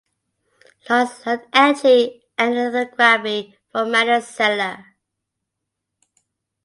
Luts learned etching and lithography from Magnus Zeller.